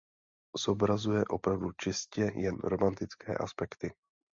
Zobrazuje opravdu čistě jen romantické aspekty.